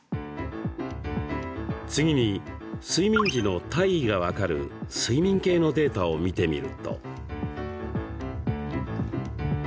次に、睡眠時の体位が分かる睡眠計のデータを見てみると。